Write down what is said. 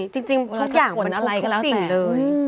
จริงทุกอย่างผูกสิ่งเลยอเรนนี่ยมีควรอะไรก็แล้วแต่